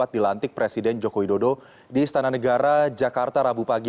dilantik presiden joko widodo di istana negara jakarta rabu pagi